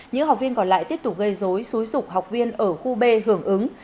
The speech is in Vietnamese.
những học viên còn lại tiếp tục gây dối xúi dục học viên ở khu b hưởng ứng